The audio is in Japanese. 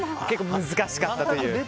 結構難しかったという。